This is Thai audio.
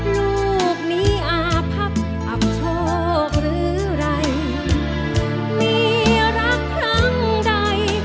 ลูกนี้อาพักอับโชคหรือไรมีรักครั้งใด